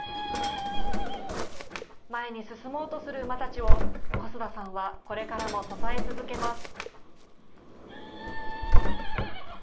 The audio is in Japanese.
前に進もうとする馬たちを、小須田さんはこれからも支え続けます。